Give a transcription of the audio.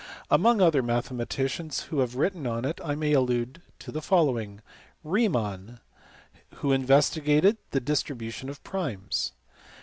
Among other mathematicians who have written on it I may allude to the following. Riemann (see below, p. 468), who investigated the dis tribution of primes.